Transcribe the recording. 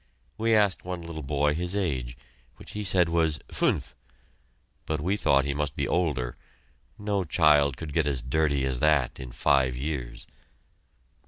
We asked one little boy his age, which he said was "fünf," but we thought he must be older no child could get as dirty as that in five years!